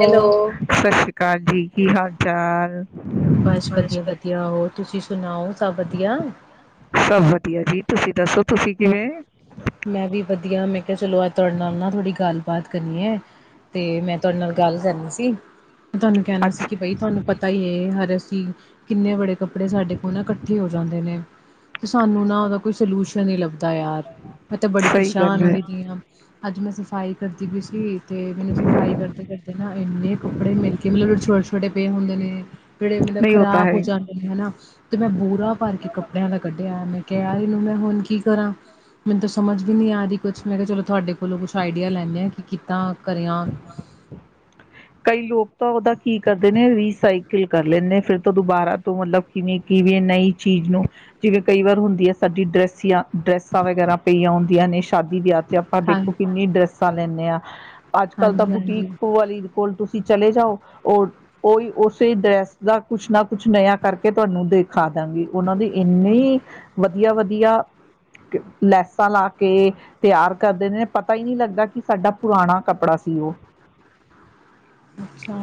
Hello ਸਤ ਸ਼੍ਰੀ ਅਕਾਲ ਜੀ ਕੀ ਹਾਲ ਚਾਲ ਬਸ ਵਧੀਆ ਵਧੀਆ ਹੋਰ ਤੁਸੀਂ ਸੁਣਾਓ ਸਭ ਵਧੀਆ ਸਭ ਵਧੀਆ ਜੀ ਤੁਸੀਂ ਦੱਸੋ ਤੁਸੀਂ ਕਿਵੇਂ ਮੈਂ ਵੀ ਵਧੀਆ ਮੈਂ ਕਿਹਾ ਚਲੋ ਅੱਜ ਤੁਹਾਡੇ ਨਾਲ ਨਾ ਥੋੜ੍ਹੀ ਗੱਲਬਾਤ ਕਰਨੀ ਹੈ ਤੇ ਮੈਂ ਤੁਹਾਡੇ ਨਾਲ ਗੱਲ ਕਰਨੀ ਸੀ ਤੁਹਾਨੂੰ ਕਹਿਣਾ ਸੀ ਕਿ ਬਈ ਤੁਹਾਨੂੰ ਪਤਾ ਹੀ ਹੈ ਹਰ ਕਿੰਨੇ ਬੜੇ ਕੱਪੜੇ ਸਾਡੇ ਕੋਲ ਨਾ ਇਕੱਠੇ ਹੋ ਜਾਂਦੇ ਨੇ ਤੇ ਸਾਨੂੰ ਨਾ ਉਹਦਾ ਕੋਈ ਸੋਲਿਊਸ਼ਨ ਨੀ ਲੱਭਦਾ ਯਾਰ ਮੈਂ ਤੇ ਬੜੀ ਸਹੀ ਪਰੇਸ਼ਾਨ ਹੋਈ ਦੀ ਆਂ ਅੱਜ ਮੈਂ ਸਫ਼ਾਈ ਕਰਦੀ ਪਈ ਸੀ ਤੇ ਮੈਨੂੰ ਸਫ਼ਾਈ ਕਰਦੇ ਕਰਦੇ ਨਾ ਇੰਨੇ ਕੱਪੜੇ ਮਿਲ ਕੇ ਮਤਲਬ ਜ ਛੋਟੇ ਛੋਟੇ ਪਏ ਹੁੰਦੇ ਨੇ ਜਿਹੜੇ ਮਤਲਬ ਨਹੀਂ ਹੋਤਾ ਹੈ ਖ਼ਰਾਬ ਹੋ ਹੀ ਜਾਂਦੇ ਨੇ ਹਨਾ ਅਤੇ ਮੈਂ ਬੋਰਾ ਭਰ ਕੇ ਕੱਪੜਿਆਂ ਦਾ ਕੱਢਿਆ ਏ ਮ ਕਿਹਾਰੀ ਨੂੰ ਮੈਂ ਹੁਣ ਕੀ ਕਰਾਂ ਮੈਨੂੰ ਤਾਂ ਸਮਝ ਵੀ ਨਹੀਂ ਆ ਰਹੀ ਕੁਛ ਮੈਂ ਕਿਹਾ ਚਲੋ ਤੁਹਾਡੇ ਕੋਲੋਂ ਕੁਛ ਆਈਡੀਆ ਲੈਂਦੇ ਹਾਂ ਕਿ ਕਿੱਦਾਂ ਕਰਿਆ ਕਈ ਲੋਕ ਤਾਂ ਉਹਦਾ ਕੀ ਕਰਦੇ ਨੇ ਰੀਸਾਈਕਲ ਕਰ ਲੈਂਦੇ ਫਿਰ ਤਾਂ ਦੁਬਾਰਾ ਤੋਂ ਮਤਲਬ ਕਿਵੇਂ ਕਿਵੇਂ ਨਈ ਚੀਜ਼ ਨੂੰ ਜਿਵੇਂ ਕਈ ਵਾਰ ਹੁੰਦੀ ਹੈ ਸਾਡੀ ਡਰਸੀਆਂ ਡਰੈਸਾਂ ਵਗੈਰਾ ਪਈਆਂ ਹੁੰਦੀਆਂ ਨੇ ਸ਼ਾਦੀ ਵਿਆਹ ਚ ਆਪਾਂ ਹਾਂ ਦੇਖੋ ਕਿੰਨੀ ਡਰੈਸਾਂ ਲੈਂਦੇ ਹਾਂ ਅੱਜ ਕੱਲ ਤਾਂ ਹਾਂਜੀ ਬੁਟੀਕ ਹਾਂਜੀ ਕੋਵਾਲੀ ਤੁਸੀਂ ਚਲੇ ਜਾਓ ਉਹ ਉਹੀ ਉਸੇ ਡਰੈਸ ਦਾ ਕੁਛ ਨਾ ਕੁ ਕੁਛ ਨਯਾ ਕਰਕੇ ਤੁਹਾਨੂੰ ਦੇਖਾ ਦਾਂਗੀ ਉਹਨਾਂ ਦੀ ਇੰਨੀ ਵਧੀਆ ਵਧੀਆ ਆ ਲੈਸਾਂ ਲਾ ਕੇ ਤਿਆਰ ਕਰਦੇ ਨੇ ਨੇ ਪਤਾ ਹੀ ਨਹੀਂ ਲੱਗਦਾ ਕਿ ਸਾਡਾ ਪੁਰਾਣਾ ਕੱਪੜਾ ਸੀ ਉਹ ਅੱਛਾ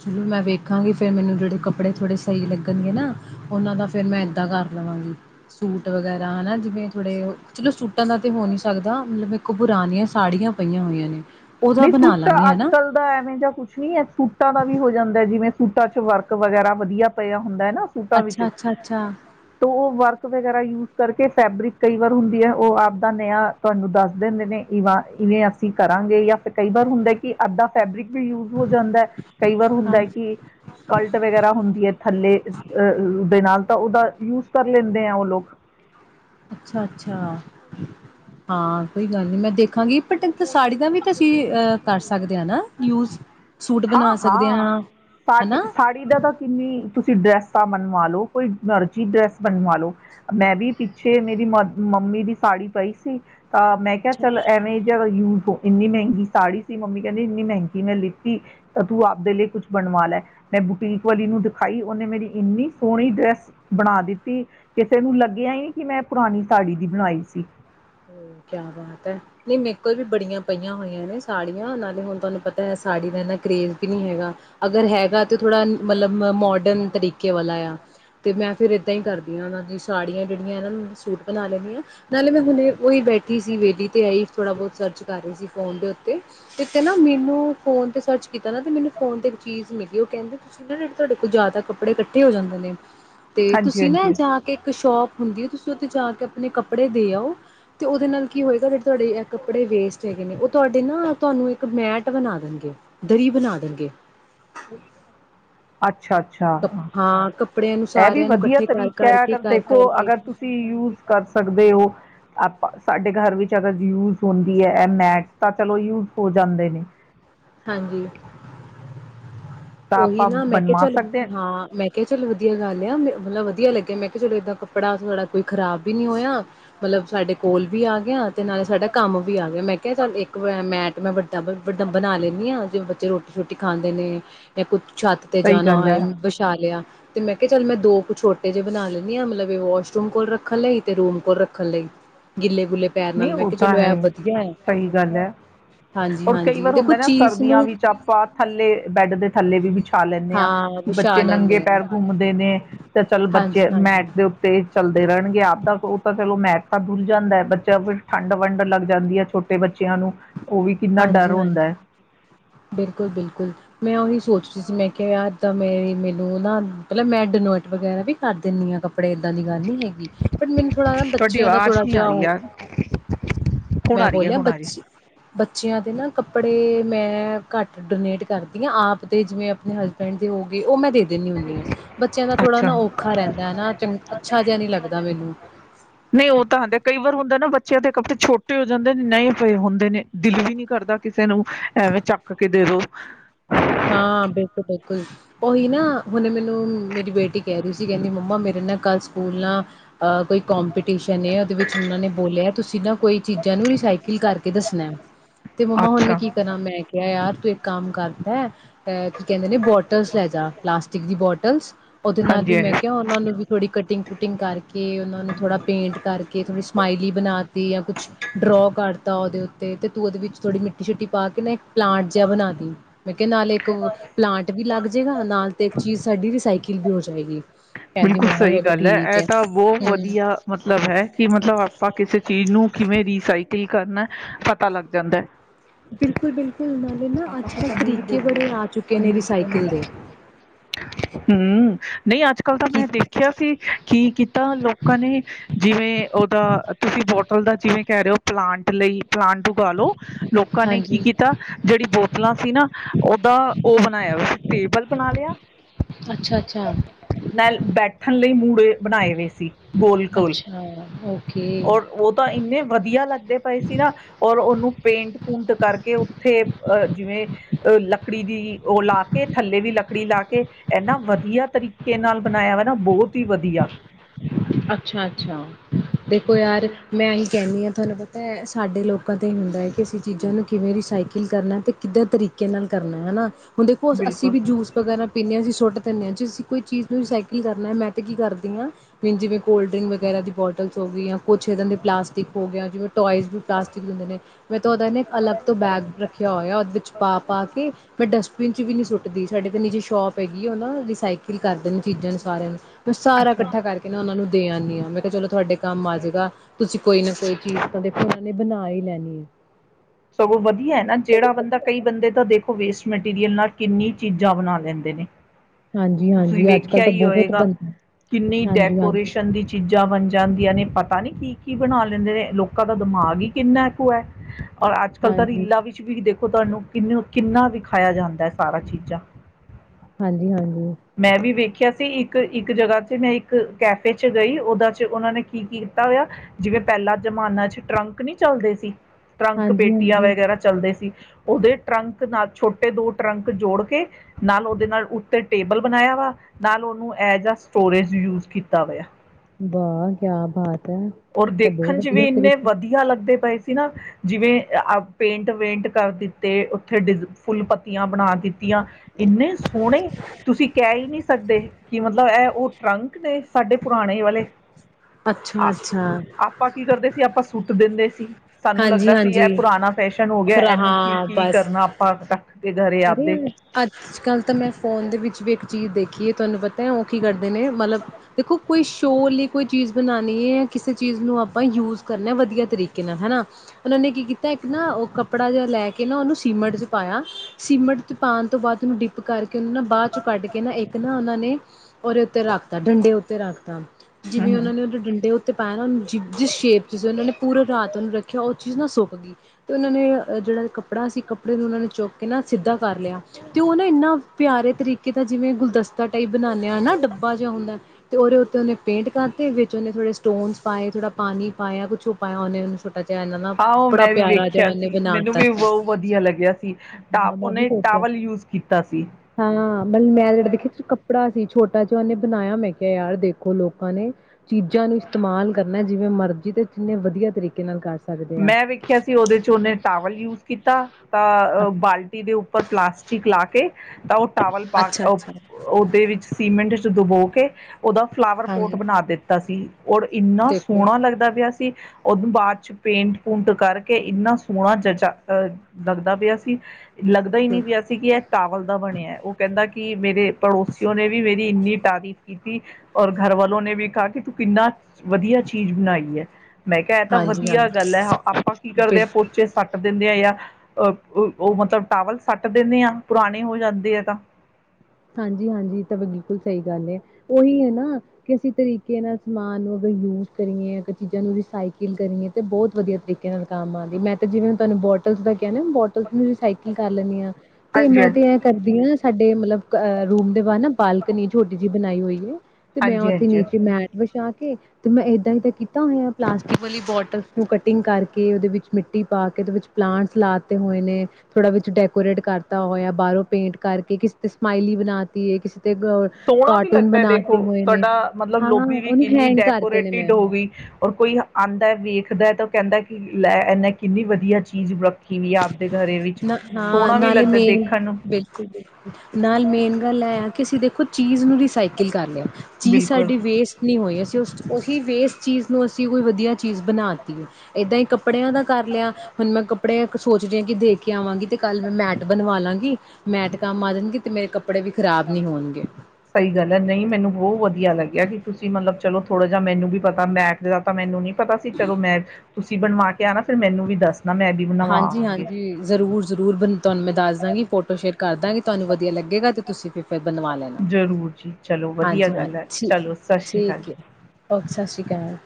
ਚਲੋ ਮੈਂ ਵੇਖਾਂਗੀ ਫੇਰ ਮੈਨੂੰ ਜਿਹੜੇ ਕੱਪੜੇ ਥੋੜੇ ਸਹੀ ਲੱਗਣਗੇ ਨਾ ਉਹਨਾਂ ਦਾ ਫੇਰ ਮੈਂ ਏਦਾਂ ਕਰ ਲਵਾਂਗੀ ਸੂਟ ਵਗੈਰਾ ਹਨਾ ਜਿਵੇਂ ਥੋੜੇ ਚਲੋ ਸੂਟਾਂ ਦਾ ਤਾਂ ਹੋ ਨਹੀਂ ਸਕਦਾ ਮਤਲਬ ਮੇਕੋ ਪੁਰਾਣੀਆਂ ਸਾੜੀਆਂ ਪਈਆਂ ਹੋਈਆਂ ਨੇ ਉਹਦਾ ਨਹੀਂ ਬਣਾ ਸੂਟਾ ਲਾਂਗੇ ਹੈ ਅੱਜ ਨਾ ਕੱਲ ਦਾ ਐਵੇਂ ਜਾਂ ਕੁਛ ਨੀ ਹੈ ਸੂਟਾਂ ਦਾ ਵੀ ਹੋ ਜਾਂਦਾ ਜਿਵੇਂ ਸੂਟਾਂ ਚ ਵਰਕ ਵਗੈਰਾ ਵਧੀਆ ਪਿਆ ਹੁੰਦਾ ਹੈ ਨਾ ਸੂਟਾਂ ਵਿੱਚ ਅੱਛਾ ਅੱਛਾ ਅੱਛਾ ਤ ਉਹ ਵਰਕ ਵਗੈਰਾ ਯੂ ਕਰਕੇ ਫੈਬਰਿਕ ਕਈ ਵਾਰ ਹੁੰਦੀ ਹੈ ਉਹ ਆਪਦਾ ਨਿਆਂ ਤੁਹਾਨੂੰ ਦੱਸ ਦਿੰਦੇ ਨੇ ਇਵਾਂ ਇਵੇਂ ਅਸੀਂ ਕਰਾਂਗੇ ਜਾਂ ਕਈ ਵਾਰ ਹੁੰਦਾ ਕਿ ਅੱਧਾ ਫੈਬਰਿਕ ਵੀ ਯੂਜ ਹੋ ਜਾਂਦਾ ਹੈ ਕਈ ਵਾਰ ਹੁੰਦਾ ਹਾਂਜੀ ਕਿ ਸਕਲਟ ਵਗੈਰਾ ਹੁੰਦੀ ਹੈ ਥੱਲੇ ਅਹ ਦੇ ਨਾਲ ਤਾਂ ਉਹਦਾ ਯੂਜ ਕਰ ਲੈਂਦੇ ਆ ਉਹ ਲੋਕ ਅੱਛਾ ਅੱਛਾ ਹਾਂ ਕੋਈ ਗੱਲ ਨੀ ਮੈਂ ਦੇਖਾਂਗੀ ਬਟ ਸਾੜੀ ਦਾ ਵੀ ਤਾਂ ਅ ਕਰ ਸਕਦੇ ਹ ਨਾ ਯੂਜ ਸੂਟ ਬਣਾ ਸਕਦੇ ਹਾਂ-ਹਾਂ ਹਾਂ ਸਾਡੀ ਹਨਾ ਸਾੜੀ ਦਾ ਤਾਂ ਕਿੰਨੀ ਤੁਸੀਂ ਡਰੈਸ ਤਾ ਬਨਵਾ ਲੋ, ਕੋਈ ਦਰਜ਼ੀ ਡਰੈਸ ਬਣਵਾ ਲੋ, ਮੈਂ ਵੀ ਪਿੱਛੇ ਮੇਰੀ ਮ ਮੰਮੀ ਦੀ ਸਾੜੀ ਪਈ ਸੀ ਤਾਂ ਮੈਂ ਕਿਹਾ ਅੱਛਾ ਚੱਲ ਐਵੇਂ ਜਿਹਾ ਯੂਜ਼ ਹੋ ਇੰਨੀ ਮਹਿੰਗੀ ਸਾੜੀ ਸੀ, ਮੰਮੀ ਕਹਿੰਦੇ ਇੰਨੀ ਮਹਿੰਗੀ ਮੈਂ ਲਿੱ ਕਿ ਤ ਤੂੰ ਆਪਦੇ ਲਈ ਕੁਛ ਬਣਵਾ ਲੈ, ਮੈਂ ਬੁਟੀਕ ਵਾਲੀ ਨੂੰ ਦਿਖਾਈ, ਉਹਨੇ ਮੇਰੀ ਇੰਨੀ ਸੋਹਣੀ ਡਰੈਸ ਬਣਾ ਦਿੱਤੀ, ਕਿਸੇ ਨੂੰ ਲੱਗਿਆ ਹੀ ਨੀ ਕਿ ਮੈਂ ਪੁਰਾਣੀ ਸਾੜੀ ਦੀ ਬਣਾਈ ਸੀ। ਕਯਾ ਬਾਤ ਹੈ, ਨਹੀਂ ਮੇਰੇ ਕੋਲ ਵੀ ਬੜੀਆਂ ਪਈਆਂ ਹੋਈਆਂ ਨੇ ਸਾੜੀਆਂ, ਨਾਲੇ ਹੁਣ ਤੁਹਾਨੂੰ ਪਤਾ ਹੈ ਸਾੜੀ ਦਾ ਇੰਨਾ ਕਰੇਜ਼ ਵੀ ਨਹੀਂ ਹੈਗਾ। ਅਗਰ ਹੈਗਾ ਤੇ ਥੋੜਾ ਮਤਲਬ ਮੋਡਰਨ ਤਰੀਕੇ ਵਾਲਾ ਆ। ਤੇ ਮੈਂ ਫਿਰ ਏਦਾਂ ਹੀ ਕਰਦੀ ਹਾਂ, ਉਹਨਾਂ ਦੀ ਸਾੜੀਆਂ ਜਿਹੜੀਆਂ ਨਾ, ਸੂਟ ਬਣਾ ਲੈਂਣੀ ਆ, ਨਾਲੇ ਮੈਂ ਹੁਣੇ ਉਹੀ ਬੈਠੀ ਸੀ ਵੇਹਲੀ ਤੇ ਏਹੀ ਥੋੜ੍ਹਾ ਬਹੁਤ ਸਰਚ ਕਰ ਰਹੀ ਸੀ। ਫੋਨ ਦੇ ਉੱਤੇ ਤੇ-ਤੇ ਨਾ ਮੇਮੋ ਫੋਨ ਤੇ ਸਰਚ ਕੀਤਾਦਾ, ਤੇ ਮੈਨੂੰ ਫੋਨ ਤੇ ਇੱਕ ਚੀਜ਼ ਮਿਲੀ, ਉਹ ਕਹਿੰਦੇ ਤੁਸੀਂ ਨਾ ਜੇਹੜੇ ਤੁਹਾਡੇ ਕੋਲ ਜਿਆਦਾ ਕੱਪੜੇ ਇਕੱਠੇ ਹੋ ਜਾਂਦੇ ਨੇ ਹਾਂਜੀ ਹਾਂਜੀ ਨਾ ਜਾਂ ਇੱਕ ਸ਼ੋਪ ਜਾਂ ਕੱਪੜੇ ਦੇ ਲਓ ਉਹਦੇ ਨਾਲ ਕੀ ਹੋਵੇਗਾ ਤੁਹਾਡੇ ਨਾ ਕੱਪੜੇ ਵੇਚ ਤੁਹਾਨੂੰ ਨਾ ਤੁਹਾਨੂੰ ਬੈਗ ਵੀ ਮਿਲਦਾ ਬੋਰੀ ਵੀ ਮਿਲਦਾ ਤੇ ਤੁਸੀਂ ਨਾ ਜਾ ਕੇ ਇੱਕ ਸ਼ੋਪ ਹੁੰਦੀ ਹੈ, ਤੁਸੀਂ ਉੱਥੇ ਜਾ ਕੇ ਆਪਣੇ ਕੱਪੜੇ ਦੇ ਆਉ। ਤੇ ਉਹਦੇ ਨਾਲ ਕੀ ਹੋਏਗਾ? ਜਿਹੜੇ ਤੁਹਾਡੇ ਏਹ ਕੱਪੜੇ ਵੇਸਟ ਹੈਗੇ ਨੇ, ਉਹ ਤੁਹਾਡੇ ਨਾ ਤੁਹਾਨੂੰ ਇੱਕ ਮੈਟ ਬਣਾ ਦੇਣਗੇ, ਦਰੀ ਬਣਾ ਦੇਣਗੇ। ਅੱਛ ਅੱਛਾ-ਅੱਛਾ, ਹਾਂ ਕੱਪੜਿਆਂ ਨੂੰ ਇਹ ਵੀ ਸਾਰਿਆਂ ਨੂੰ ਵਧੀਆ ਇਕੱਠੇ ਕਰ ਤਰੀਕਾ ਹੈ, ਕਰਕੇ ਅਗਰ ਕਰ ਦੇਖੋ ਕਰਕੇ ਅਗਰ ਤੁਸੀਂ ਯੂਜ਼ ਕਰ ਸਕਦੇ ਹੋ, ਆਪਾਂ ਸਾਡੇ ਘਰ ਵਿੱਚ ਅਗਰ ਯੂਜ਼ ਹੁੰਦੀ ਹੈ ਇਹ ਮੈਟ, ਤਾਂ ਚਲੋ ਯੂਜ ਹੋ ਜਾਂਦੇ ਨੇ ਹਾਂਜੀ। ਤਾਂ ਉਹੀ ਆਪਾਂ ਨਾ ਮੈਂ ਕਿਹਾ ਬਣਵਾ ਚੱਲ, ਸਕਦੇ ਹਾਂ, ਮੈਂ ਕਿਹਾ ਚੱਲ ਵਧੀਆ ਗੱਲ ਆ ਮਤਲਬ ਵਧੀਆ ਲੱਗਿਆ, ਮੈਂ ਕਿਹਾ ਚਲੋ ਏਦਾਂ ਕੱਪੜਾ ਥੋੜਾ ਕੋਈ ਖਰਾਬ ਵੀ ਨੀ ਹੋਇਆ, ਮਤਲਬ ਸਾਡੇ ਕੋਲ ਵੀ ਆ ਗਿਆ ਤੇ ਨਾਲੇ ਸਾਡਾ ਕੰਮ ਵੀ ਆ ਗਿਆ, ਮੈਂ ਕਿਹਾ ਚੱਲ ਇੱਕ ਵੇ ਮੈਂ ਤੇ ਮੈਂ ਵਡਾ ਬ ਵਡਮ ਬਣਾ ਲੈਂਣੀ ਹਾਂ, ਜਿਵੇਂ ਬੱਚੇ ਰੋਟੀ ਰੂਟੀ ਖਾਂਦੇ ਨੇ [unintelligible] ਛੱਤ ਤੇ ਸਹੀ ਜਾਣਾ ਗੱਲ ਹੈ। ਹੋਏ, ਬਿਛਾ ਲਿਆ ਤੇ ਮੈਂ ਕਿਹਾ ਚੱਲ ਮੈਂ ਦੋ ਕੁ ਛੋਟੇ ਜਿਹੇ ਬਣਾ ਲੈਂਣੀ ਹਾਂ, ਮਤਲਬ ਇਕ ਵਾਸ਼ਰੂਮ ਕੋਲ ਰੱਖਣ ਲਈ ਤੇ ਰੂਮ ਕੋਲ ਰੱਖਣ ਲਈ, ਗਿੱਲੇ ਗੁੱਲੇ ਪੈਰ ਨਹੀਂ ਨਾਲ ਮੈਂ ਉਹ ਕਿਹਾ ਤਾਂ ਚਲੋ ਇਹ ਹੈ, ਵਧੀਆ ਹੈ ਸਹੀ ਗੱਲ ਹੈ, ਹਾਂਜੀ ਔਰ ਕਈ ਹਾਂਜੀ ਵਾਰ ਦੇਖੋ ਹੁੰਦਾ ਏ ਨਾ ਚੀਜ਼ ਸਰਦੀਆਂ ਨੂੰ ਵਿੱਚ ਆਪਾਂ ਥੱਲੇ ਬੈਡ ਦੇ ਥੱਲੇ ਇਹਦੇ ਵਿੱਚ ਤਲ ਲੈਂਣੇ ਹਾਂ, ਕਿ ਵਿਛਾ ਬੱਚੇ ਨੰਗੇ ਲੈਂਦੇ ਹਾਂ ਪੈਰ ਘੁੰਮਦੇ ਨੇ, ਤਾਂ ਚੱਲ ਬੱਚੇ ਹਾਂਜੀ ਹਾਂਜੀ ਮੈਟ ਦੇ ਉੱਤੇ ਚੱਲਦੇ ਰਹਿਣਗੇ, ਆਪਦਾ ਉਹ ਤਾਂ ਚਲੋ ਮੈਟ ਸਬ ਭੁੱਲ ਜਾਂਦਾ ਹੈ ਬੱਚੇ ਜਾਂ ਫਿਰ ਠੰਡ ਵੰਡ ਲੱਗ ਜਾਂਦੀ ਹੈ ਛੋਟੇ ਬੱਚੇ ਹਾਂਜੀ-ਹਾਂਜੀ, ਬਿਲਕੁਲ-ਬਿਲਕੁਲ, ਮੈਂ ਉਹੀ ਸੋਚ ਤੁਸੀਂ ਮੈਂ ਕਿਹਾ ਯਾ ਏਦਾਂ ਮੇਰੀ ਮੈਨੂੰ ਨਾ, ਮਤਲਬ ਮੈਂ ਡੀਨੋਇਟ ਵਗੈਰਾ ਵੀ ਕਰ ਦਿੰਣਾ ਹਾਂ ਕੱਪੜੇ, ਇੰਦਾ ਦੀ ਗੱਲ ਨਹੀ ਹੇ ਬਟ ਮੈਨੂੰ ਥੋੜਾ ਨਾ ਤੁਹਾਡੀ ਬੱਚਿਆਂ ਦਾ ਆਵਾਜ਼ ਥੋੜਾ ਨਹੀਂ ਆ ਜਿਹਾ ਰਹੀ ਉਹ, ਯਾਰ ਹੁਣ ਆ ਮੈਂ ਰਹੀ ਹੈ ਬੋਲਿਆ ਹੁਣ ਆ ਰਹੀ ਬੱਚੇ ਬੱਚਿਆਂ ਦੇ ਨਾ ਕੱਪੜੇ ਮੈਂ ਘੱਟ ਡੋਨੇਟ ਕਰਦੀ ਹਾਂ, ਆਪ ਦੇ ਜਿਵੇਂ ਆਪਣੇ ਹਸਬੈਂਡ ਦੇ ਹੋ ਬੀ ਉਹ ਮੈਂ ਦੇ ਦੇਣੀ ਹੁੰਣੀ ਹਾਂ, ਬੱਚਿਆਂ ਦਾ ਥੋੜਾ ਨਾ ਅੱਛਾ ਔਖਾ ਰਹਿੰਦਾ ਹੈ ਨਾ, ਅੱਛਾ ਜਿਹਾ ਨਹੀਂ ਲੱਗਦਾ ਮੈਨੂੰ। ਬੱਚਿਆ ਦੇ ਕੱਪੜੇ ਛੋਟੇ ਹੋ ਜਾਂਦੇ ਨੇ, ਨਏ ਪਏ ਹੁੰਦੇ ਨੇ, ਦਿਲ ਵੀ ਨੀ ਕਰਦਾ ਕਿਸੇ ਨੂੰ ਐਵੇਂ ਚੱਕ ਕੇ ਦੇ ਦੋ। ਹਾਂ, ਬਿਲਕੁਲ-ਬਿਲਕੁਲ, ਉਹੀ ਨਾ ਹੁਣੇ ਮੈਨੂੰ ਬੇਟੀ ਕਹਿ ਰਹੀ ਸੀ, ਕਹਿੰਦੀ ਮੰਮਾ ਏ ਨਾ ਕੱਲ ਸਕੂਲ ਨਾ ਅਹ ਕੋਈ ਕੰਪੀਟੀਸ਼ਨ ਏ ਉਹਦੇ ਵਿੱਚ ਉਹ ਨੇ ਬੋਲਿਆ ਤੁਸੀਂ ਨਾ ਕੋਈ ਚੀਜ਼ਾਂ ਨੂੰ ਰੀਸਾਈਕਲ ਕਰਕੇ ਦੱਸਣਾ, ਤੇ ਮੰਮਾ ਹੁਣ ਮੈਂ ਅੱਛਾ ਕੀ ਕਰਾਂ ਮੈਂ ਕਿਹਾ ਯਾਰ ਤੂੰ ਇੱਕ ਕੰਮ ਕਰ ਲੈ ਕੀ ਕਹਿੰਦੇ ਨੇ ਬੋਟਲਸ ਲੈ ਜਾ ਪਲਾਸਟਿਕ ਦੀ ਬੋਟਲਸ ਉਹਦੇ ਨਾਲ ਵੀ ਹਾਂਜੀ ਮੈਂ ਹਾਂਜੀ ਕਿਹਾ ਉਹਨਾਂ ਨੂੰ ਵੀ ਥੋੜ੍ਹੀ ਕਟਿੰਗ-ਕੁਟਿੰਗ ਕਰਕੇ, ਉਹਨਾਂ ਨੂੰ ਥੋੜ੍ਹਾ ਪੇਂਟ ਕਰਕੇ ਥੋੜ੍ਹੀ ਸਮਾਈਲੀ ਬਣਾ ਜਾਂ ਕੁਛ ਡਰੋ ਕਰਤਾ ਉਹਦੇ ਉੱਤੇ ਤੇ ਤੂੰ ਉਹਦੇ ਵਿੱਚ ਥੋੜੀ ਮਿੱਟੀ ਸ਼ਿੱਟੀ ਪਾ ਕੇ ਨਾ ਪਲਾਂਟ ਜਿਹਾ ਬਣਾ ਦੀ। ਨਾਲ ਇੱਕ ਪਲਾਂਟ ਵੀ ਲੱਗ ਜਾਏਗਾ ਨਾਲ ਤੇ ਇੱਕ ਚੀਜ਼ ਸਾਡੀ ਰਸਾਈਕਲ ਵੀ ਹੋ ਜਾਏਗੀ ਕਹਿੰਦੀ ਬਿਲਕੁਲ ਮੰਮਾ ਸਹੀ ਚਲੋ ਗੱਲ ਠੀਕ ਇਹ ਹੈ ਤਾਂ ਬਹੁਤ ਹਮ। ਵਧੀਆ ਮਤਲਬ ਹੈ ਕਿ ਮਤਲਬ ਆਪਾਂ ਕਿਸੇ ਚੀਜ਼ ਨੂੰ ਕਿਵੇਂ ਰੀਸਾਈਕਲ ਕਰਨਾ ਪਤਾ ਲੱਗ ਜਾਂਦਾ ਹੈ। ਬਿਲਕੁਲ-ਬਿਲਕੁਲ ਆਪਾਂ ਚੁੱਕੇ ਨੇ ਤਾਂ ਰਿਸਾਈਕਲ ਦੇ [unintelligible] ਹਾਂ। ਨਹੀਂ ਅੱਜ ਕੱਲ੍ਹ ਤਾਂ ਮੈਂ ਕਿ ਦੇਖਿਆ ਸੀ ਕੀ ਕੀਤਾ ਲੋਕਾਂ ਨੇ ਜਿਵੇਂ ਉਹਦਾ ਤੁਸੀਂ ਬੋਟਲ ਦਾ ਜਿਵੇਂ ਕਹਿ ਰਹੇ ਹੋ ਪਲਾਂਟ ਲਈ ਪਲਾਂਟ ਪਾਲੋ ਲੋਕਾਂ ਨੇ ਕੀ ਹਾਂਜੀ, ਕੀਤਾ ੜੀ ਬੋਤਲਾਂ ਸੀ ਨਾ ਉਹਦਾ ਉਹ ਬਣਾਇਆ ਟੇਬਲ ਬਣਾ ਲਿਆ। ਅੱਛਾ-ਅੱਛਾ, ਨਾਲ ਬੈ ਥੱਲੇ ਹੀ ਮੁੂੜੇ ਬਣਾਏ ਦੇ ਸੀ। ਗੋਲ ਗੋਲ ਅੱਛਾ ਓ ਔਰ ਉਹ ਤਾਂ ਇੰਨੇ ਵਧੀਆ ਲੱ ਦੇ ਪਏ ਸੀ ਨਾ ਔਰ ਉਹਨੂੰ ਪੇਂਟ-ਪੂਟ ਕਰਕੇ ਉੱਥੇ ਅਹ ਜਿਵੇਂ ਲੱਕੜੀ ਦੀ ਉਹ ਲਾ ਕੇ ਥੱਲੇ ਵੀ ਲੱਕੜੀ ਲਾ ਕੇ ਇਹਨਾ ਵਧੀਆ ਤਰੀਕੇ ਨਾਲ ਬਣਾਇਆ ਵਾ ਨਾ ਬਹੁਤ ਹੀ ਵਧੀਆ। ਅੱਛਾ-ਅੱਛਾ। ਦੇਖੋ ਯਾਰ ਮੈਂ ਹੀ ਕਹਿਨੀ ਹਾਂ। ਤੁਹਾਨੂੰ ਪਤਾ ਹੈ ਸਾਡੇ ਲੋਕਾਂ ਤੇ ਹੀ ਹੁੰਦਾ ਹੈ ਕਿ ਅਸੀਂ ਚੀਜ਼ਾਂ ਨੂੰ ਕਿਵੇਂ ਰਸਾਈਕਲ ਕਰਨਾ ਤੇ ਕਿੱਧਾਂ ਤਰੀਕੇ ਨਾਲ ਕਰਨਾ ਹੈ ਹਨਾ। ਹੁਣ ਦੇਖੋ ਅਸੀਂ ਬਿਲਕੁਲ। ਵੀ ਜੂਸ ਵਗੈਰਾ ਪੀਨੇ ਆ ਅਸੀਂ ਸੁੱਟ ਦੇਨੇ ਆ ਜੇ ਅਸੀਂ ਕੋਈ ਚੀਜ਼ ਨੂੰ ਰਸਾਈਕਲ ਕਰਨਾ ਮੈਂ ਤੇ ਕੀ ਕਰਦੀ ਆ ਜਿਵੇਂ ਕੋਲਡਰਿੰਕ ਵਗੈਰਾ ਦੀ ਬੋਟਲਸ ਹੋ ਗਈਆਂ ਕੁਛ ਇਦਾਂ ਦੇ ਪਲਾਸਟਿਕ ਹੋ ਗਿਆ ਜਿਵੇਂ ਟੋਇਜ਼ ਵੀ ਪਲਾਸਟਿਕ ਹੁੰਦੇ ਨੇ ਮੈਂ ਤਾਂ ਉਹਦਾ ਨੇ ਇੱਕ ਅਲੱਗ ਤੋਂ ਬੈਗ ਰੱਖਿਆ ਹੋਇਆ ਉਹਦੇ ਵਿੱਚ ਪਾ-ਪਾ ਕੇ ਮੈਂ ਡਸਟਬਿਨ ਚ ਵੀ ਨਹੀਂ ਸੁੱਟਦੀ ਸਾਡੇ ਤੇ ਨੀਚੇ ਸ਼ੋਪ ਹੈਗੀ ਉਹ ਨਾ ਰੀਸਾਈਕਲ ਕਰਦੇ ਨੇ ਚੀਜ਼ਾਂ ਨੂੰ ਸਾਰਿਆਂ ਨੂੰ ਮੈ ਸਾਰਾ ਅੱਛਾ। ਇਕੱਠਾ ਕਰ ਨੂੰ ਦੇ ਆਨੀ ਆ ਮੈਂ ਕਿਹਾ ਚਲੋ ਤੁਹਾਡੇ ਕੰਮ ਆਜੇਗਾ ਤੁਸੀਂ ਕੋਈ ਨਾ ਕੋਈ ਚੀਜ਼ ਕਦੇ ਫ ਇਹ ਨੇ ਬਣਾ ਹੀ ਲੈਣੀ ਆ। ਸਗੋਂ ਵਧੀਆ ਹੈ ਨਾ ਜਿਹੜਾ ਬੰਦਾ ਕਈ ਬੰਦੇ ਤਾਂ ਦੇਖੋ ਵੇਸਟ ਮਟੀਰੀਅਲ ਨਾਲ ਕਿੰਨੀ ਚੀਜ਼ਾਂ ਬਣਾ ਲੈਂਦੇ ਨੇ। ਹਾਂਜੀ ਤੁਸੀਂ ਹਾਂਜੀ ਅੱਜ ਕੱਲ੍ਹ ਵੇਖਿਆ ਤਾਂ ਹੀ ਬਹੁਤ ਹੋਏਗਾ ਬਣਦਾ ਕਿੰਨੀ ਹਾਂਜੀ ਹਾਂਜੀ ਡੈਕੋਰੇਸ਼ਨ ਦੀ ਚੀਜ਼ਾਂ ਬਣ ਜਾਂਦੀਆਂ ਨੇ ਪਤਾ ਨੀ ਕੀ-ਕੀ ਬਣਾ ਲੈਂਦੇ ਨੇ ਲੋਕਾਂ ਦਾ ਦਿਮਾਗ ਹੀ ਕਿੰਨਾ ਕੁ ਹੈ। ਔਰ ਅੱਜ ਕੱਲ ਤਾਂ ਹਾਂਜੀ ਰੀਲਾਂ ਵਿੱਚ ਵੀ ਦੇਖੋ। ਖ ਤੁਹਾਨੂੰ ਕਿੰਨ ਕਿੰਨਾ ਵਿਖਾਇਆ ਜਾਂਦਾ ਹੈ ਸਾਰਾ ਚੀਜ਼ਾਂ ਹਾਂਜੀ ਹਾਂਜੀ ਮੈਂ ਵੀ ਵੇਖਿਆ ਸੀ ਇੱਕ ਇੱਕ ਜਗ੍ਹਾ ਚ ਮੈਂ ਇੱਕ ਕੈਫੇ ਚ ਗਈ ਦਾ ਚ ਉਹਨਾਂ ਨੇ ਕੀ ਕੀਤਾ ਹੋਇਆ ਜਿਵੇਂ ਪਹਿਲਾਂ ਜ਼ਮਾਨਾ ਚ ਟਰੰਕ ਨਹੀਂ ਚੱਲਦੇ ਸੀ। ਟਰੰਕ ਹਾਂਜੀ ਪੇਟੀਆਂ ਹਾਂਜੀ ਵਗੈਰਾ ਚੱਲਦੇ ਸੀ। ਉਹਦੇ ਟਰੰਕ ਨਾਲ ਛੋਟੇ ਦੋ ਟਰੰਕ ਜੋੜ ਕੇ ਨਾਲ ਉਹਦੇ ਨਾਲ ਉੱਤੇ ਟੇਬਲ ਬਣਾਇਆ ਵਾ ਨਾਲ ਉਹਨੂੰ ਐਜ ਆ ਸਟੋਰੇਜ ਯੂਜ ਕੀਤਾ ਹੋਇਆ। ਬਾਹ ਕਿਆ ਬਾਤ ਹੈ ਔਰ ਤਾਂ ਦੇਖਣ ਬਹੁਤ ਚ ਵੀ ਵਧੀਆ ਇੰਨੇ ਤਰੀਕੇ ਵਧੀਆ ਲੱਗਦੇ ਪਏ ਸੀ। ਨਾ ਜਿਵੇਂ ਆ ਪੇਂਟ ਵੇਂਟ ਕਰ ਦਿੱਤੇ ਉੱਥੇ ਡਿ ਫੁੱਲ ਪੱਤੀਆਂ ਬਣਾ ਦਿੱ ਦਿੱਤੀਆਂ ਇੰਨੇ ਸੋਹਣੇ ਤੁਸੀਂ ਕਹਿ ਈ ਨਹੀਂ ਸਕਦੇ ਕਿ ਮਤਲਬ ਇਹ ਉਹ ਟਰੰਕ ਨੇ ਸਾਡੇ ਪੁਰਾਣੇ ਵਾਲੇ ਅੱਛਾ, ਅੱਛਾ ਆਪਾਂ ਕੀ ਕਰਦੇ ਸੀ ਆਪਾਂ ਸੁੱਟ ਦਿੰਦੇ ਸੀ। ਸਾਨੂੰ ਹਾਂਜੀ ਲੱਗਦਾ ਸੀ ਇਹ ਹਾਂਜੀ ਪੁਰਾਣਾ ਫੈਸ਼ਨ ਹੋ ਗਿਆ ਖਰਾ ਇਹਨੂੰ ਕੀ- ਹਾਂ ਕੀ ਬਸ ਕਰਨਾ ਆਪਾਂ ਰੱਖ ਕੇ। ਘਰੇ ਅਰੇ ਆਪਦੇ ਅੱਜ ਕੱਲ ਤਾਂ ਮੈਂ ਫੋਨ ਦੇ ਵਿੱਚ ਵੀ ਇੱਕ ਚੀਜ਼ ਦੇਖ ਕੀ ਇਹ ਤੁਹਾਨੂੰ ਪਤਾ ਹੈ ਉਹ ਕੀ ਕਰਦੇ ਨੇ ਮਤਲਬ ਦੇਖੋ ਕੋਈ ਸ਼ੋਅ ਲਈ ਕੋਈ ਚੀਜ਼ ਬਣਾਣੀ ਹੈ, ਜਾਂ ਕਿਸੇ ਚੀਜ਼ ਨੂੰ ਆਪਾਂ ਯੂਜ ਕਰਨਾ ਵਧੀਆ ਤਰੀਕੇ ਨਾਲ ਹਨਾ ਉਹਨਾਂ ਨੇ ਕੀ ਕੀਤਾ ਇੱਕ ਨਾ ਉਹ ਕੱਪੜਾ ਜਿਹਾ ਲੈ ਕੇ ਨਾ ਉਹਨੂੰ ਸੀਮਟ ਚ ਪਾਇਆ। ਸੀਮਟ ਚ ਪਾਨ ਤੋਂ ਬਾਅਦ ਉਹਨੂੰ ਡਿਪ ਕਰਕੇ ਉਹਨੂੰ ਨਾ ਬਾਅਦ ਚੋਂ ਕੱਢ ਕੇ ਨਾ ਇੱਕ ਨਾ ਉਹਨਾਂ ਨੇ ਉਹਦੇ ਉੱਤੇ ਰੱਖਤਾ ਡੰਡੇ ਉੱਤੇ ਰੱਖਤਾ। ਜਿਵੇਂ ਹਮ ਹਮ ਉਹਨਾਂ ਨੇ ਉਹਦੇ ਡੰਡੇ ਉੱਤ ਉੱਤੇ ਪਾਇਆ ਨਾ ਉਹਨੂੰ ਜਿਸ ਜਿਸ ਸ਼ੇਪ 'ਚ ਸੀ, ਉਹਨਾਂ ਨੇ ਪੂਰਾ ਰਾਤ ਉਹਨੂੰ ਰੱਖਿਆ ਉਹ ਚੀਜ਼ ਨਾ ਸੁੱਕ ਗਈ, ਅਤੇ ਉਹਨਾਂ ਨੇ ਜਿਹੜਾ ਕੱਪੜਾ ਸੀ ਕੱਪੜੇ ਨੂੰ ਉਹਨਾਂ ਨੇ ਚੁੱਕ ਉਹਨੂੰ ਸਿੱਧਾ ਕਰ ਲਿਆ ਤੇ ਉਹਨੇ ਇੰਨਾ ਪਿਆਰੇ ਤਰੀਕੇ ਦਾ ਜਿਵੇਂ ਗੁਲਦਸਤਾ ਟਾਈਪ ਬਣਾਨੇ ਆ ਨਾ ਡੱਬਾ ਜਿਹਾ ਹੁੰਦਾ, ਤੇ ਉਹਦੇ ਉੱਤੇ ਉਹਨੇ ਪੇਂਟ ਕਰਕੇ ਵਿੱਚ ਉਹਨੇ ਥੋੜੇ ਸਟੋਨਸ ਪਾਏ ਥੋੜਾ ਪਾਣੀ ਪਾਇਆ ਕੁਛ ਪਾਇਆ। ਜਿਹਾ ਇਹਨਾਂ ਦਾ ਹਾਂ ਉਹ ਬੜਾ ਮੈਂ ਵੀ ਪਿਆਰਾ ਜਿਹਾ ਵੇਖਿਆ ਉਹਨੇ ਸੀ ਬਣਾ ਮੈਨੂੰ ਤਾ ਵੀ ਸੀ। ਬਹੁ ਵਧੀਆ ਲੱਗਿਆ ਸੀ। ਟ ਹਾਂ, ਮੈਂ ਵੀ ਉਹਨੇ ਸੋਚਿਆ ਟਾਵਲ ਸੀ ਯੂਜ ਕੀਤਾ ਸੀ ਹਾਂ ਮਲ ਮੈਂ ਜਿਹੜਾ ਦੇਖਿਆ ਸੀ ਕੱਪੜਾ ਸੀ। ਛੋਟਾ ਜਿਹਾ ਉਹਨੇ ਬਣਾਇਆ ਮੈਂ ਕਿਹਾ ਯਾਰ ਦੇਖੋ ਲੋਕਾਂ ਨੇ ਚੀਜ਼ਾਂ ਨੂੰ ਇਸਤੇਮਾਲ ਕਰ ਮੈਂ ਜਿਵੇਂ ਮਰਜ਼ੀ ਤੇ ਜਿੰਨੇ ਵਧੀਆ ਤਰੀਕੇ ਨਾਲ ਕਰ ਸਕਦੇ ਆ। ਮੈਂ ਵੇਖਿਆ ਸੀ ਉਹਦੇ ਚ ਉਹਨੇ ਟਾਵਲ ਯੂਜ ਕੀਤਾ ਤਾਂ ਅ ਬਾਲਟੀ ਦੇ ਉੱਪ ਪਰ ਪਲਾਸਟਿਕ ਲਾ ਕੇ ਤਾਂ ਉਹ ਟਾਵਲ ਪਾ ਅੱਛਾ-ਅੱਛਾ। ਉਹਦੇ ਵਿੱਚ ਸੀਮੇਂਟ ਚ ਡੁਬੋ ਥੇ ਉਹਦਾ ਫਲਾਵਰ ਪੋਟ ਹਾਂਜੀ ਬਣਾ ਦਿੱਤਾ ਸੀ, ਔਰ ਇੰਨਾ ਦੇਖੋ ਸੋਹਣਾ ਲੱਗਦਾ ਪਿਆ ਸੀ। ਓਦੂ ਬਾਅਦ ਚ ਪੇਂਟ ਪੂਟ ਕਰਕੇ ਇੰਨਾ ਸੋਹਣਾ ਜਜ਼ਾ ਅ ਲੱਗਦਾ ਪਿਆ ਸੀ ਲੱਗਦਾ ਹੀ ਨਹੀਂ, ਦੇਖ ਪਿਆ ਸੀ, ਕਿ ਇਹ ਟਾਵਲ ਦਾ ਬਣਿਆ ਉਹ ਕਹਿੰਦਾ ਕਿ ਮੇਰੇ ਪੜੋਸੀਓ ਨੇ ਵੀ ਮੇਰੀ ਇੰਨੀ ਤਾਰੀਫ਼ ਕੀਤੀ ਔਰ ਘਰ ਵਾਲੋਂ ਨੇ ਵੀ ਕਿਹਾ ਕਿ, ਤੂੰ ਕਿੰਨਾ ਵਧੀਆ ਚੀਜ਼ ਬਣਾਈ ਹੈ। ਮੈਂ, ਕਿਹਾ ਇਹ ਤਾਂ ਹਾਂਜੀ ਹਾਂ ਵਧੀਆ ਲੈ ਆਪਾਂ ਕੀ ਕਰਦੇ, ਹਾਂ, ਬਿਲ ਪੋਚੇ ਸਟ ਦਿੰਨ ਲਿਆਏ ਆ ਉਹ ਮਤਲਬ ਟਾਵਲ ਸੱਟ ਦਿੰਨੇ ਆ, ਪੁਰਾਣੇ ਹੋ ਜਾਂਦੇ ਆ ਤਾਂ। ਹਾਂਜੀ, ਹਾਂਜੀ, ਤਾਂ ਬਿਲਕੁਲ ਸਹੀ ਗੱਲ ਹੈ, ਉਹੀ ਹੈ ਨਾ ਕਿ ਅਸੀਂ ਤਰੀਕੇ ਨਾਲ ਸਮਾਨ ਨੂੰ ਅਗਰ ਯੂਜ ਕਰੀਏ, ਅ ਚੀਜ਼ਾਂ ਨੂੰ ਰਸਾਈਕਲ ਕਰੀਏ ਤੇ ਬਹੁਤ ਵਧੀਆ ਤਰੀਕੇ ਨਾਲ ਕੰਮ ਆਉਂ ਮੈਂ ਤਾਂ ਜਿਵੇਂ ਹੁਣ ਤੁਹਾਨੂੰ ਬੋਟਲ ਦਾ ਬੋਟਲ ਨੂੰ ਵੀ ਸਾਈਕਲ ਕਰ ਲਿਂਨੀ ਆ ਤੇ, ਹਾਂਜੀ ਮੈਂ, ਤੇ, ਐ ਕਰਦੀ ਹਾਂ ਸਾਡੇ ਮਤਲਬ ਰੂਮ ਦੇ ਬਾਅਦ ਨਾ ਬਾਲਕਨੀ ਛੋਟੀ ਜਿਹੀ ਬਣਾਈ ਹੋਈ ਹੈ! ਤੇ ਮੈਂ ਹਾਂਜੀ ਹਾਂਜੀ ਉੱਥੇ ਨੀਚੇ ਹਾਂਜੀ ਮੈਟ ਵਿਛਾ ਕੇ ਤੇ, ਮੈਂ, ਏਦਾਂ ਦਾਂ ਕੀਤਾ ਹੋਇਆ ਪਲਾਸਟਿਕ ਵਾਲੀ ਬੋਟਲਸ ਨੂੰ ਕਟਿੰਗ ਕਰਕੇ ਉਹਦੇ ਵਿੱਚ ਮਿੱਟੀ ਪਾ ਕੇ, ਉਹਦੇ ਵਿੱਚ ਪਲਾਂਟਸ ਲਾਤੇ ਹੋਏ ਨੇ, ਥੋੜਾ ਵਿਚ ਡੈਕੋਰੇਟ ਕਰਤਾ ਹੋਇਆ ਬਾਹਰੋਂ ਪੇਂਟ ਕਰਕੇ, ਕਿਸ ਸਮਾਈਲੀ ਬਣਾਤੀ ਹੈ ਕਿਸੇ ਸੋਹਣਾ ਵੀ ਕਾਰਟੂਨ ਲੱਗਦਾ ਹੈ, ਦੇਖੋ ਬਣਾਤੇ ਹੋਏ ਨੇ ਤੁਹਾਡਾ ਮਤਲਬ ਹਾਂ ਲੋਭੀ ਵੀ ਉਹਨੂੰ ਕਿੰਨੀ ਹੈਂਗ ਕਰਤੇ ਨੇ ਮੈਂ ਡੈਕੋਰੇਟਿਡ ਹੋ ਗਈ, ਔਰ ਕੋਈ ਆਂਦਾ ਵੇਖਦਾ ਤਾਂ ਉਹ ਕਹਿੰਦਾ ਲੈ, ਐਨੇ ਕਿੰਨੀ ਵਧੀਆ ਚੀਜ਼ ਰੱਖੀ ਵੀ ਹੈ ਆਪਦੇ ਘਰੇ ਵਿੱਚ ਨਾ, ਹਾਂ, ਸੋਹਣਾ ਵੀ ਨਾਲੇ ਲੱਗਦਾ ਮੇਨ ਦੇਖਣ ਨੂੰ ਬਿਲਕੁਲ ਬਿਲਕੁਲ ਨਾਲੇ ਮੇਨ ਗੱਲ ਆਆ ਕਿ ਅਸੀਂ ਦੇਖੋ ਚੀਜ਼ ਨੂੰ ਰੀਸਾਈਕਲ ਕਰ ਲਿਆ, ਚੀਜ਼ ਬਿਲਕੁਲ। ਸਾਡੀ ਵੇਸਟ ਨਹੀਂ ਹੋਈ, ਅਸੀਂ ਉਸ ਉਹੀ ਵੇਸਟ ਚੀਜ਼ ਨੂੰ, ਅਸੀਂ ਕੋਈ ਵਧੀਆ ਚੀਜ਼ ਬਣਾਤੀ ਇੱਦਾਂ ਹੀ ਕੱਪ ਕੱਪੜਿਆਂ ਦਾ ਕਰ ਲਿਆ ਹੁਣ, ਮੈਂ ਕਪ ਕੱਪੜਿਆਂ ਸੋਚਦੇ ਹਾਂ, ਕਿ ਦੇਖ ਕੇ ਆਵਾਂਗੀ ਤੇ ਕੱਲ ਮੈਂ ਮੈਟ ਬਣਵਾ ਲਾਂਗੀ, ਮੈਟ ਕੰਮ ਆ ਜਾਣਗੀ ਤੇ ਮੇਰੇ ਕੱਪੜੇ ਵੀ ਖ਼ਰਾਬ ਨਹੀਂ ਹੋਣਗੇ ਸਹੀ ਗੱਲ ਹੈ, ਨਹੀਂ ਮੈਨੂੰ ਬਹੁਤ ਵਧੀਆ ਲੱਗਿਆ ਕਿ ਤੁਸੀਂ ਮਤਲਬ ਚਲੋ, ਥੋੜਾ ਜਿਹਾ ਮੈਨੂੰ ਵੀ ਪਤਾ ਬੈਕ ਦਾ ਤਾਂ ਮੈਨੂੰ ਨੀ ਪਤਾ ਸੀ ਚਲੋ ਮੈਂ ਤੁਸੀਂ ਬਣਵਾ ਕੇ ਆਣਾ, ਫਿਰ ਮੈਨੂੰ ਵੀ ਦੱਸ। ਹਾਂਜੀ, ਹਾਂਜੀ, ਜ਼ਰੂਰ ਜ਼ਰੂਰ ਬ ਤੁਹਾਨੂੰ ਮੈਂ ਦੱਸਦਾਂਗੀ ਫੋਟੋ ਸ਼ੇਅਰ ਕਰਦਾਂਗੀ ਤੁਹਾਨੂੰ ਵਧੀਆ ਲੱਗੇਗਾ ਤੇ ਤੁਸੀਂ ਵੀ ਜ਼ਰੂਰ ਜੀ, ਚਲੋ ਵਧੀਆ ਹਾਂਜੀ ਗੱਲ ਹੈ, ਚਲੋ ਸਤਿ ਸ੍ਰੀ ਅਕਾਲ ਜੀ। ਓਤ ਸਤਿ ਸ਼੍ਰੀ ਅਕਾਲ।